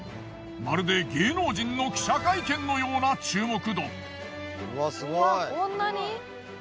まるで芸能人の記者会見のような注目度。